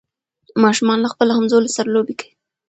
ماشومان له خپلو همزولو سره لوبې کوي.